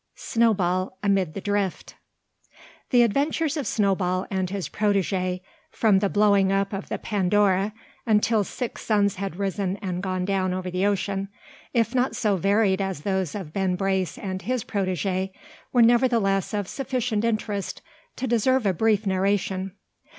SNOWBALL AMID THE DRIFT. The adventures of Snowball and his protege, from the blowing up of the Pandora until six suns had risen and gone down over the ocean, if not so varied as those of Ben Brace and his protege, were nevertheless of sufficient interest to deserve a brief narration.